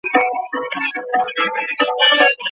آیا د افغانستان جلغوزي په چین کي اخیستونکي لري؟.